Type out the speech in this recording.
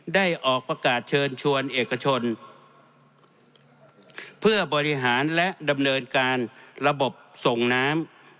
ได้ออกประกาศเชิญชวนเอกชนเพื่อบริหารและดำเนินการระบบส่งน้ำ